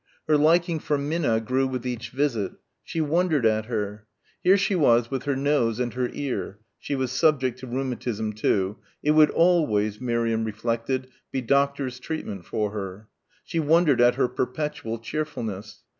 Her liking for Minna grew with each visit. She wondered at her. Here she was with her nose and her ear she was subject to rheumatism too it would always, Miriam reflected, be doctor's treatment for her. She wondered at her perpetual cheerfulness.